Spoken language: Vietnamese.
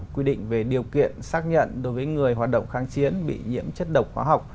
quy định về điều kiện xác nhận đối với người hoạt động kháng chiến bị nhiễm chất độc hóa học